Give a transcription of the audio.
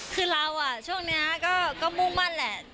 คือเราช่วงนี้ก็มุ่งมั่นแหละ